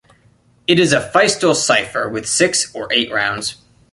It is a Feistel cipher with six or eight rounds.